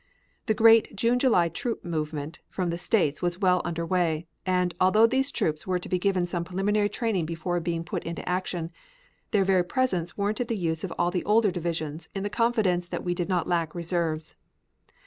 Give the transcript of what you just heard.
The great June July troop movement from the States was well under way, and, although these troops were to be given some preliminary training before being put into action, their very presence warranted the use of all the older divisions in the confidence that we did not lack reserves.